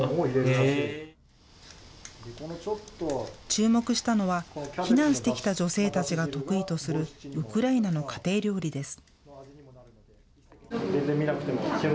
注目したのは、避難してきた女性たちが得意とするウクライナの家庭料理です。